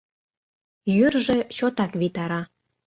Йӱржӧ чотак витара.